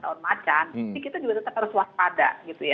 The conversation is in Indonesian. tahun macan tapi kita juga tetap harus waspada